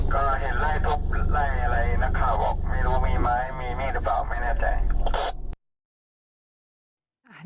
ก็เห็นไล่ทุบไล่อะไรนักข่าวบอกไม่รู้มีไหมมีมีดหรือเปล่าไม่แน่ใจ